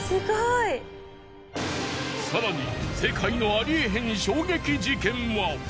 更に世界のありえへん衝撃事件は。